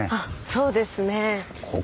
そうですね。